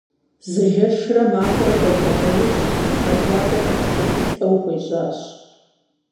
Зы жэщрэ махуэрэ дэкӀа нэужь, мэжалӀэр къыттегуплӀэу хуежьащ.